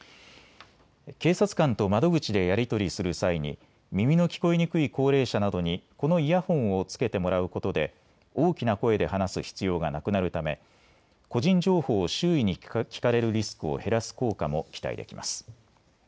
警察官と窓口でやり取りする際に耳の聞こえにくい高齢者などにこのイヤホンをつけてもらうことで大きな声で話す必要がなくなるため個人情報を周囲に聞かれるリスクを減らす効果も期待できます。